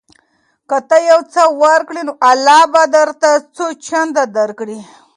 که ته یو څه ورکړې نو الله به درته څو چنده درکړي.